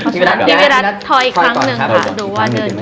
ดูว่าเดินกี่กัน